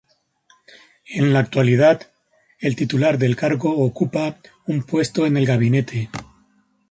En la actualidad el titular del cargo ocupa un puesto en el Gabinete.